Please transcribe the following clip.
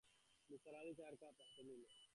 নিসার আলি চায়ের কাপ হতে নিলেন।